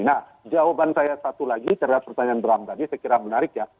nah jawaban saya satu lagi terhadap pertanyaan bram tadi saya kira menarik ya